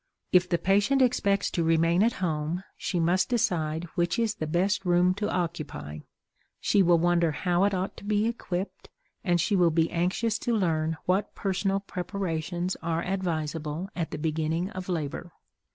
If the patient expects to remain at home, she must decide which is the best room to occupy; she will wonder how it ought to be equipped, and she will be anxious to learn what personal preparations are advisable at the beginning of labor.